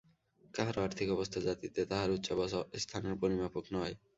কাহারও আর্থিক অবস্থা জাতিতে তাহার উচ্চাবচ স্থানের পরিমাপক নয়।